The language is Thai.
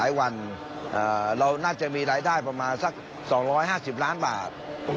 แต่ก็ยังเดินทางเข้ามาเล่นน้ำสงครานในอำเภอถัดใหญ่จำนวนมาก